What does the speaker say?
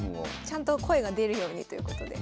ちゃんと声が出るようにということで。